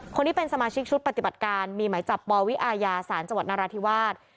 คนนี้เป็นสมาชิกชุดปฏิบัติการมีหมายจับปวิอาญาศาลจังหวัดนราธิวาส